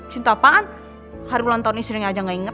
cinta apaan hari ulang tahun istrinya aja gak inget